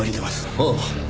ああ。